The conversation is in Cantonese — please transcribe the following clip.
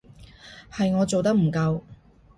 係我做得唔夠